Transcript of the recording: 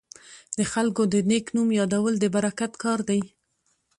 د خلکو د نیک نوم یادول د برکت کار دی.